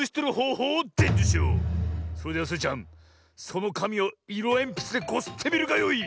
それではスイちゃんそのかみをいろえんぴつでこすってみるがよい。